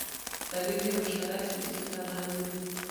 دلیل یې مشترک سیاسي فرهنګ و.